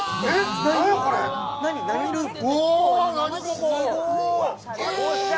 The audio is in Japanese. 何ルーム？